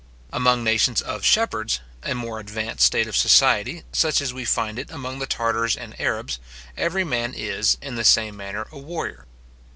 Among nations of shepherds, a more advanced state of society, such as we find it among the Tartars and Arabs, every man is, in the same manner, a warrior.